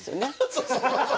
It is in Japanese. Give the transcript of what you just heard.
そうそう！